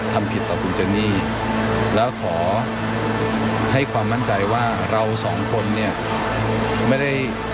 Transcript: หยุดก่อนน่ะทุกอย่างที่มันเกิดขึ้นอย่าลืมน่ะ